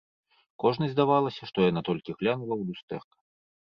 Кожнай здавалася, што яна толькі глянула ў люстэрка.